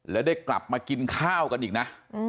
แล้วได้กลับมากินข้าวกันอีกนะ